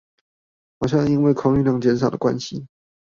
好像因為空運量減少的關係